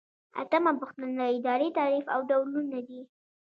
اتمه پوښتنه د ادارې تعریف او ډولونه دي.